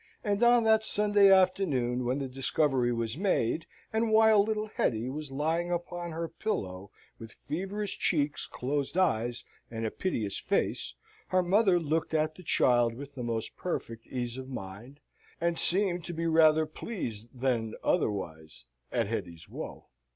And on that Sunday afternoon, when the discovery was made, and while little Hetty was lying upon her pillow with feverish cheeks, closed eyes, and a piteous face, her mother looked at the child with the most perfect ease of mind, and seemed to be rather pleased than otherwise at Hetty's woe.